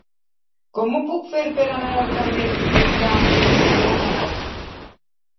Com ho puc fer per anar al carrer de Fra Luis de Granada?